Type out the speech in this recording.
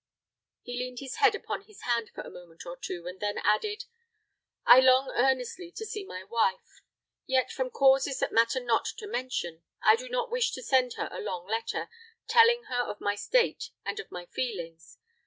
He leaned his head upon his hand for a moment or two, and then added, "I long earnestly to see my wife. Yet from causes that matter not to mention, I do not wish to send her a long letter, telling her of my state and of my feelings.